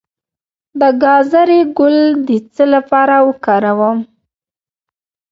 د ګازرې ګل د څه لپاره وکاروم؟